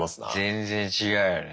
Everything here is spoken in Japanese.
全然違うよね。